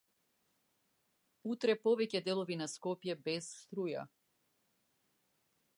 Утре повеќе делови на Скопје без струја